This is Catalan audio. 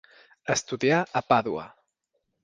Estudià a Pàdua.